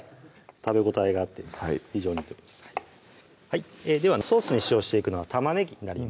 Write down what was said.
食べ応えがあって非常にいいと思いますではソースに使用していくのは玉ねぎになります